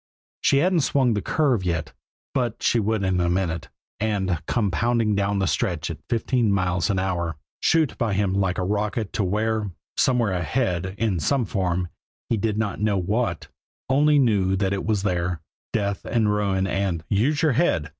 She hadn't swung the curve yet, but she would in a minute and come pounding down the stretch at fifty miles an hour, shoot by him like a rocket to where, somewhere ahead, in some form, he did not know what, only knew that it was there, death and ruin and "_Use your head!